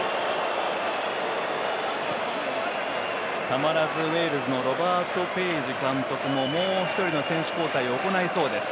たまらずウェールズのロバート・ページ監督ももう一人の選手交代を行いそうです。